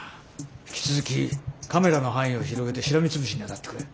引き続きカメラの範囲を広げてしらみつぶしに当たってくれ。